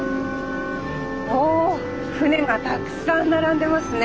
おお船がたくさん並んでますね。